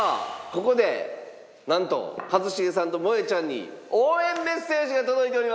ここでなんと一茂さんともえちゃんに応援メッセージが届いております！